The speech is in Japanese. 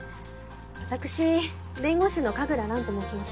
わたくし弁護士の神楽蘭と申します。